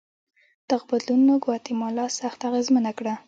دغو بدلونونو ګواتیمالا سخته اغېزمنه کړه.